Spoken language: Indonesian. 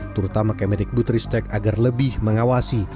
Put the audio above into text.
terutama kemendik butristek agar lebih mengawasi